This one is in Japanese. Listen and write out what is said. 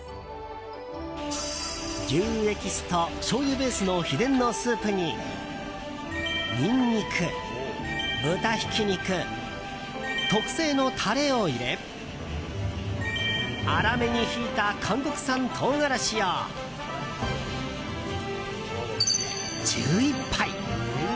牛エキスとしょうゆベースの秘伝のスープにニンニク、豚ひき肉特製のタレを入れ粗めにひいた韓国産唐辛子を１１杯！